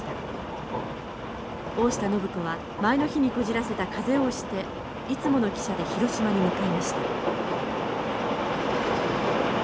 大下靖子は前の日にこじらせた風邪をおしていつもの汽車で広島に向かいました。